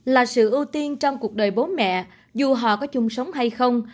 là sự ưu tiên trong cuộc đời bố mẹ dù họ có chung sống hay không